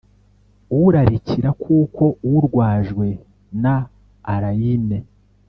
urarikira kuko urwajwe na allayne.